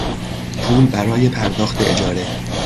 پول برای پرداخت اجاره